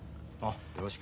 よろしく。